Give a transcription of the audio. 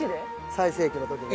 最盛期の時には。